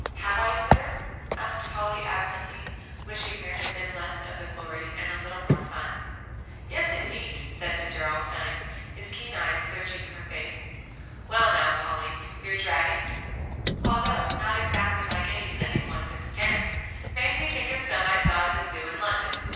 "Have I, sir?" asked Polly absently, wishing there had been less of the glory, and a little more fun. "Yes, indeed," said Mr. Alstyne, his keen eyes searching her face. "Well, now, Polly, your dragons, although not exactly like any living ones extant, made me think of some I saw at the Zoo, in London.